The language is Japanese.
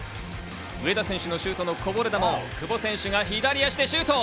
上田選手のシュートのこぼれ球を久保選手が左足でシュート。